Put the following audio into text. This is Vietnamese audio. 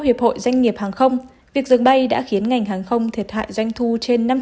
hiệp hội doanh nghiệp hàng không việc dừng bay đã khiến ngành hàng không thiệt hại doanh thu trên